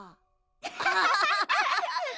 アハハハッ！